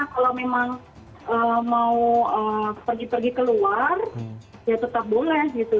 kalau memang mau pergi pergi keluar ya tetap boleh gitu